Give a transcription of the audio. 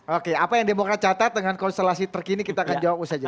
oke apa yang dibawa catat dengan konstelasi terkini kita akan jawab usai jeda